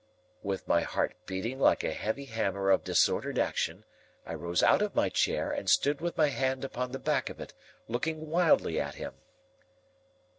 With my heart beating like a heavy hammer of disordered action, I rose out of my chair, and stood with my hand upon the back of it, looking wildly at him.